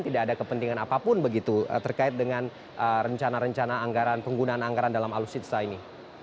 tidak ada kepentingan apapun begitu terkait dengan rencana rencana anggaran penggunaan anggaran dalam alutsista ini